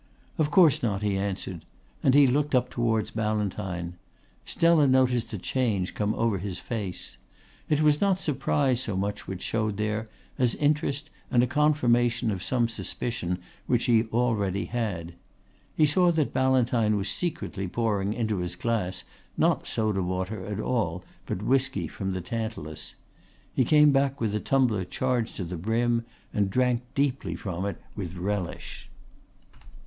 "Of course not," he answered, and he looked up towards Ballantyne. Stella noticed a change come over his face. It was not surprise so much which showed there as interest and a confirmation of some suspicion which he already had. He saw that Ballantyne was secretly pouring into his glass not soda water at all but whisky from the tantalus. He came back with the tumbler charged to the brim and drank deeply from it with relish.